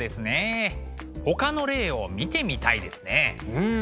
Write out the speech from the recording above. うん。